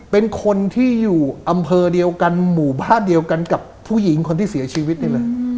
เป็นคนที่อยู่อำเภอเดียวกันหมู่บ้านเดียวกันกับผู้หญิงคนที่เสียชีวิตนี่เลย